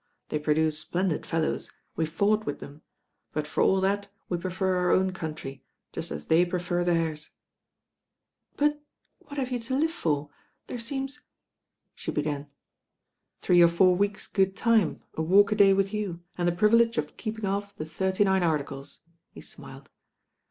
They produce splendid fellows — ^weVe fought with them; but for all that we prefer our own country, just as they prefer theirs." "But what have, you to live for? There seems " she began. "Three or four weeks' good time, a walk a day with you, and the privilege of keeping off the Thirty Nine Articles," he smiled.